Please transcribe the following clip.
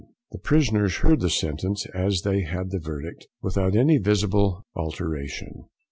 The prisoners heard the sentence as they had the verdict, without any visible alteration.